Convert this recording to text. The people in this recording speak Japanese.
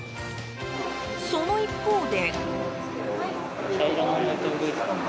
その一方で。